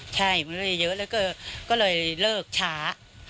ใช่มันก็เลยเยอะแล้วก็เลยเลิกช้า